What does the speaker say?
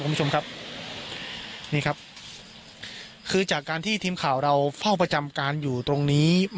คุณผู้ชมครับนี่ครับคือจากการที่ทีมข่าวเราเฝ้าประจำการอยู่ตรงนี้